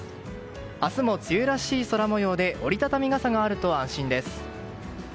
明日も梅雨らしい空模様で折り畳み傘があると安心です。